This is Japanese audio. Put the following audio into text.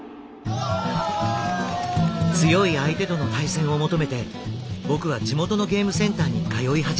強い相手との対戦を求めて僕は地元のゲームセンターに通い始めました。